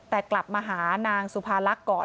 แต่กลับมาหานางสุพรรณก่อน